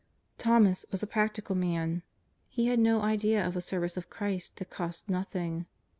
TJiomas was a practical man. He had no idea of a service of Christ that costs nothing.